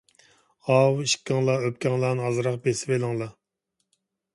ئاۋۇ ئىككىڭلار ئۆپكەڭلارنى ئازراق بېسىۋېلىڭلار.